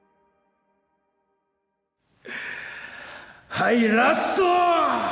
はいラスト！